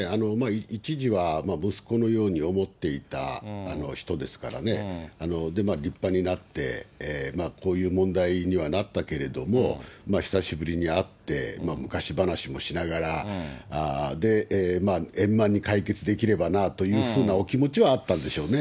一時は息子のように思っていた人ですからね、立派になって、こういう問題にはなったけれども、久しぶりに会って、昔話もしながら、円満に解決できればなというふうなお気持ちはあったんでしょうね。